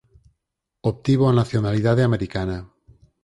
Obtivo a nacionalidade americana.